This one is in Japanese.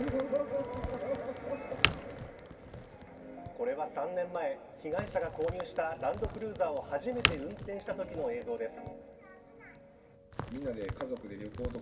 これは３年前被害者が、購入したランドクルーザーを初めて運転したときの映像です。